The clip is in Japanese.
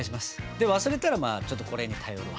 で忘れたらまあちょっとこれに頼るわ。